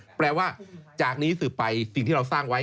นั่งแสดงว่าจากนี้สิ่งที่เราสร้างไว้